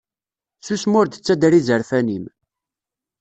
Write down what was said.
Susem ur d-ttader izerfan-im.